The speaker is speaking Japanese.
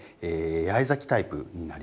八重咲きタイプになります。